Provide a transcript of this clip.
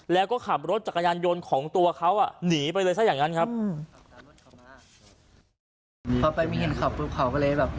แล้วก็ขับรถจักรยานยนต์ของตัวเขาอ่ะหนีไปเลยซะอย่างนั้นครับ